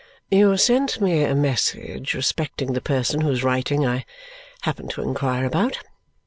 "You sent me a message respecting the person whose writing I happened to inquire about.